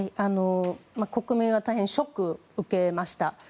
国民は大変ショックを受けました。